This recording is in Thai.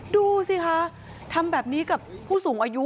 ดูสิคะทำแบบนี้กับผู้สูงอายุ